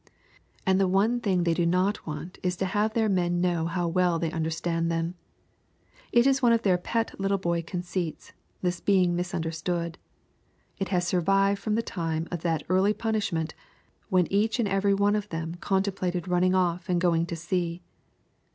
And the one thing they do not want is to have their men know how well they understand them. It is one of their pet little boy conceits, this being misunderstood. It has survived from the time of that early punishment when each and every one of them contemplated running off and going to sea.